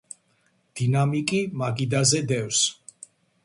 დინამიკი მაგიდაზე დევს